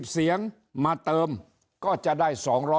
เสียงมาเติมก็จะได้๒๐๐